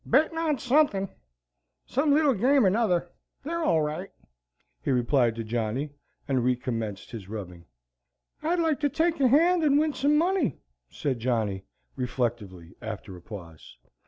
"Bettin' on suthin, some little game or 'nother. They're all right," he replied to Johnny, and recommenced his rubbing. "I'd like to take a hand and win some money," said Johnny, reflectively, after a pause.